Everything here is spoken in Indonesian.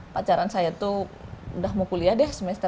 pacaran saya tuh udah mau kuliah deh semester